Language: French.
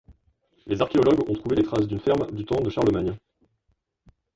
Les archéologues ont trouvé les traces d'une ferme du temps de Charlemagne.